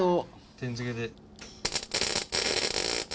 点付けで。